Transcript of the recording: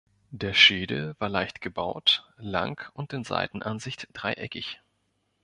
Der Schädel war leicht gebaut, lang und in Seitenansicht dreieckig.